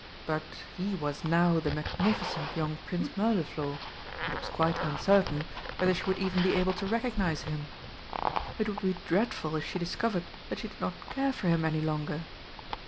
But he was now the magnificent young Prince Mirliflor, and it was quite uncertain whether she would even be able to recognise him. It would be dreadful if she discovered that she did not care for him any longer!